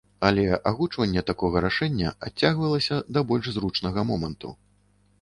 Але агучванне такога рашэння адцягвалася да больш зручнага моманту.